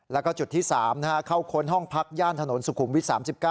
แล้วก็จุดที่๓เข้าค้นห้องพักย่านถนนสุขุมวิท๓๙